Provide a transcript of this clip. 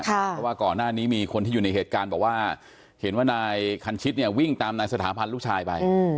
เพราะว่าก่อนหน้านี้มีคนที่อยู่ในเหตุการณ์บอกว่าเห็นว่านายคันชิดเนี่ยวิ่งตามนายสถาพันธ์ลูกชายไป